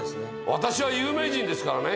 私は有名人ですからね